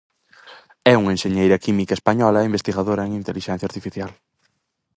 É unha enxeñeira química española e investigadora en Intelixencia Artificial.